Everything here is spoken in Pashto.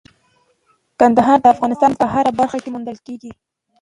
کندهار د افغانستان په هره برخه کې موندل کېږي.